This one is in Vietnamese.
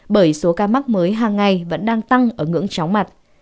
bởi số ca mắc mới hàng ngày vẫn đang tăng ở ngưỡng chóng mặt